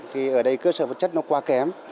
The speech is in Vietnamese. thì ở đây cơ sở vật chất nó quá kém